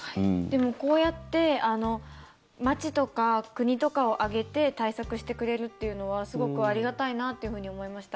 でも、こうやって街とか国とかを挙げて対策してくれるっていうのはすごくありがたいなっていうふうに思いました。